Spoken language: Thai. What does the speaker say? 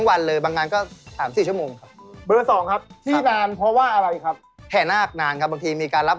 วงพี่ถ้าจ้างราคาเท่าไรครับ